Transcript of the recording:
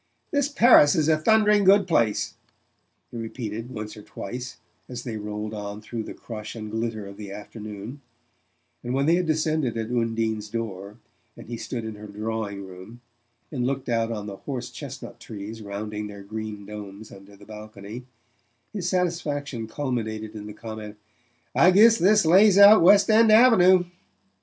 "This Paris is a thundering good place," he repeated once or twice as they rolled on through the crush and glitter of the afternoon; and when they had descended at Undine's door, and he stood in her drawing room, and looked out on the horse chestnut trees rounding their green domes under the balcony, his satisfaction culminated in the comment: "I guess this lays out West End Avenue!"